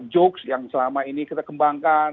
jokes yang selama ini kita kembangkan